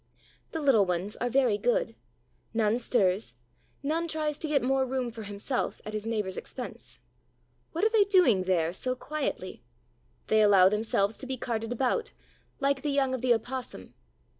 The little ones are very good: none stirs, none tries to get more room for himself at his neighbor's expense. What are they doing there, so quietly? They allow themselves to be carted about, like the young of the Opossum.